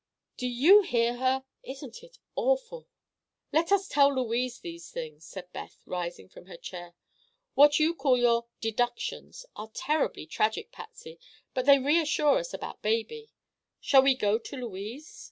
Do you hear her? Isn't it awful?" "Let us tell Louise these things," said Beth, rising from her chair. "What you call your 'deductions' are terribly tragic, Patsy, but they reassure us about baby. Shall we go to Louise?"